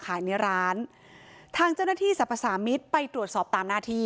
ในร้านทางเจ้าหน้าที่สรรพสามิตรไปตรวจสอบตามหน้าที่